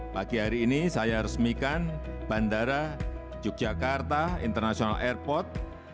pagi hari ini saya resmikan bandara yogyakarta international airport